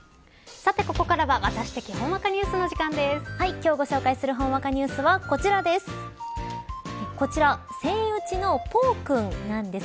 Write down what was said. さて、ここからはワタシ的ほんわかニュースの今日ご紹介するほんわかニュースはこちらです。